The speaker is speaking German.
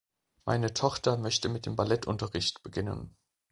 Meine Tochter möchte mit dem Ballettunterricht beginnen.